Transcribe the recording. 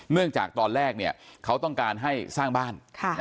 เนื่องจากตอนแรกเนี่ยเขาต้องการให้สร้างบ้าน